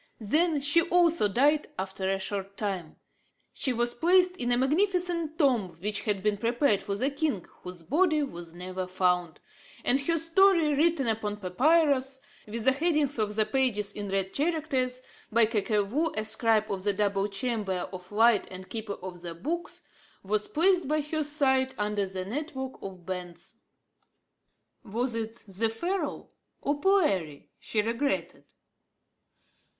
Then she also died after a short time. She was placed in the magnificent tomb which had been prepared for the king, whose body was never found; and her story, written upon papyrus, with the headings of the pages in red characters, by Kakevou, a scribe of the double chamber of light and keeper of the books, was placed by her side under the network of bands. Was it the Pharaoh or Poëri she regretted?